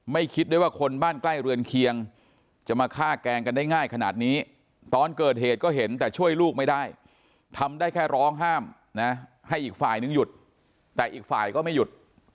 คิดด้วยว่าคนบ้านใกล้เรือนเคียงจะมาฆ่าแกล้งกันได้ง่ายขนาดนี้ตอนเกิดเหตุก็เห็นแต่ช่วยลูกไม่ได้ทำได้แค่ร้องห้ามนะให้อีกฝ่ายนึงหยุดแต่อีกฝ่ายก็ไม่หยุด